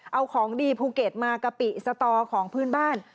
เอาของดีภูเก็ตมากะปิสตอของพื้นบ้าน